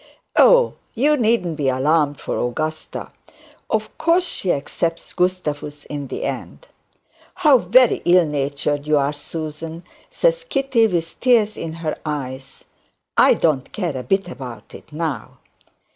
'Oh, you needn't be alarmed, for Augusta, of course, she accepts Gustavus in the end.' 'How very ill natured you are, Susan,' says Kitty, with tears in her eyes; 'I don't care a bit about it now.'